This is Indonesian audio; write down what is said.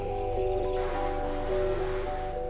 energi listrik yang dihasilkan sucipto lewat mikrohidro